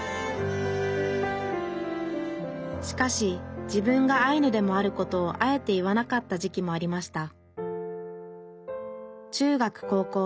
しかし自分がアイヌでもあることをあえて言わなかった時期もありました。